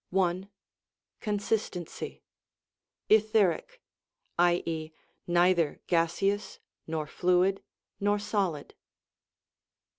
I. Consistency! Etheric (i.e., neither gaseous, nor fluid nor solid).